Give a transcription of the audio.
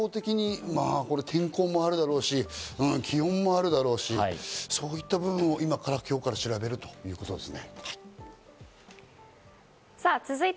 天候もあるだろうし、気温もあるだろうし、そういった部分も今日から調べるということですね。